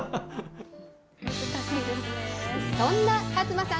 そんな勝間さん